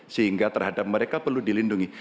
sehingga terhadap mereka perlu dilindungi